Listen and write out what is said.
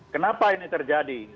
kenapa ini terjadi